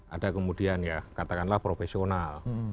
ada kemudian ya katakanlah profesional